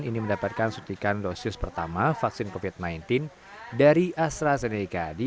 ini mendapatkan suntikan dosis pertama vaksin covid sembilan belas dari astrazeneca di